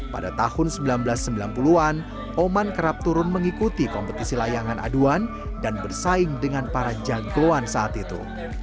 pada tahun seribu sembilan ratus sembilan puluh an oman kerap turun mengikuti kompetisi layangan aduan dan bersaing dengan para jagoan saat itu